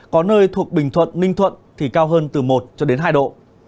có nơi thuộc bình thuận ninh thuận thì cao hơn từ một cho đến hai độ